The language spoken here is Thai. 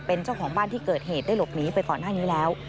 เป็นเจ้าของบ้านที่เกิดเหตุได้หลบหนีไปก่อนหน้านี้แล้ว